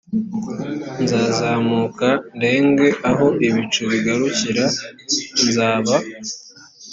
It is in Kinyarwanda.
nzazamuka ndenge aho ibicu bigarukira nzaba